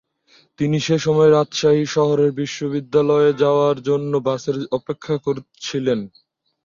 তিনি সেসময় রাজশাহী শহরে বিশ্ববিদ্যালয়ে যাওয়ার জন্য বাসের অপেক্ষা করছিলেন।